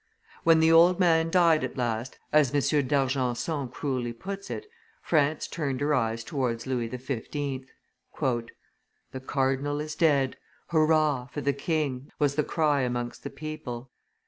When the old man died at last, as M. d'Argenson cruelly puts it, France turned her eyes towards Louis XV. "The cardinal is dead: hurrah! for the king!" was the cry amongst the people.